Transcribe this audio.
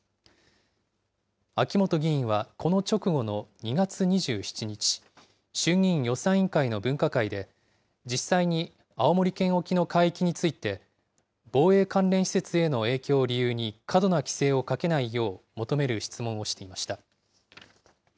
秋本議員はこの直後の２月２７日、衆議院予算委員会の分科会で、実際に青森県沖の海域について、防衛関連施設への影響を理由に、過度な規制をかけないよう、求める質問をしていました。